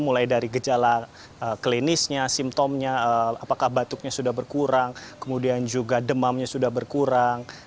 mulai dari gejala klinisnya simptomnya apakah batuknya sudah berkurang kemudian juga demamnya sudah berkurang